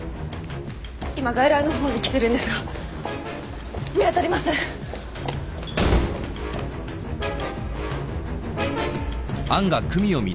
今外来の方に来てるんですが見当たりません！